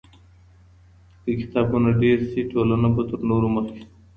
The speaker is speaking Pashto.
که کتابونه ډېر سي ټولنه به تر نورو مخکې سي.